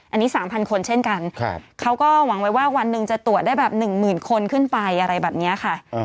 อันนี้๓๐๐คนเช่นกันเขาก็หวังไว้ว่าวันหนึ่งจะตรวจได้แบบ๑๐๐๐คนขึ้นไปอะไรแบบนี้ค่ะ